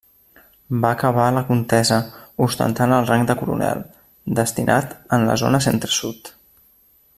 Va acabar la contesa ostentant el rang de coronel, destinat en la zona Centre-Sud.